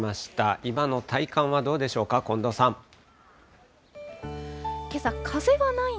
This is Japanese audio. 今の体感はどうでしょうか、近藤さん。